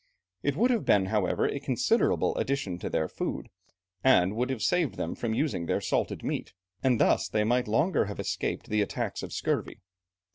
It would have been, however, a considerable addition to their food, and would have saved them from using their salted meat, and thus they might longer have escaped the attacks of scurvy.